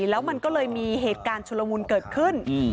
แล้วมันก็เลยมีเหตุการณ์ชุลมุนเกิดขึ้น